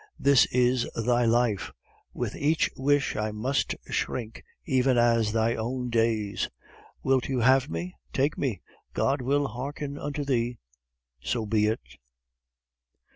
THIS IS THY LIFE, WITH EACH WISH I MUST SHRINK EVEN AS THY OWN DAYS. WILT THOU HAVE ME? TAKE ME. GOD WILL HEARKEN UNTO THEE. SO BE IT!